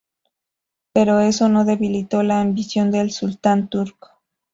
Pero eso no debilitó la ambición del sultán turco.